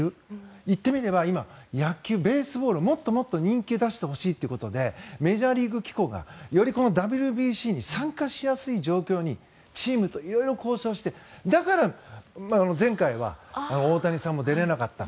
言ってみれば、野球ベースボール、もっともっと人気を出してほしいということでメジャーリーグ機構がよりＷＢＣに参加しやすい状況にチームといろいろと交渉してだから、前回は大谷さんも出れなかった。